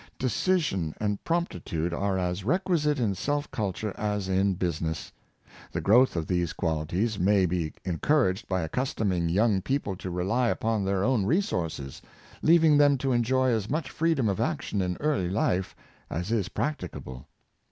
Decision and promptitude are as requisite in self cul ture as in business. The growth of these qualities may be encouraged by accustoming young people to rely upon their own resources, leaving them to enjoy as much freedom of action in early life as is practicable.